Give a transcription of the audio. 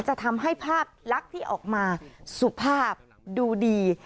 จะทำให้ภาพลักษณ์ที่ออกมาสุภาพดูดี